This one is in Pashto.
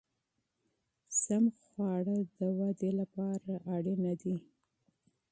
سالم خواړه د وده لپاره ضروري دي.